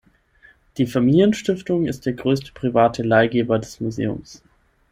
Die Familienstiftung ist der größte private Leihgeber des Museums.